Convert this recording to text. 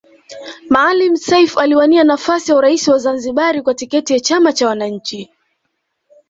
Maalim Seif aliwania nafasi ya urais wa Zanzibari kwa tiketi ya chama cha wananchi